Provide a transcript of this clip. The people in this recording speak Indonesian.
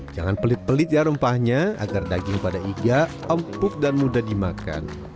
jangan pelit pelit ya rempahnya agar daging pada iga empuk dan mudah dimakan